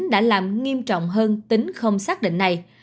đã làm nghiêm trọng hơn tính không xác định này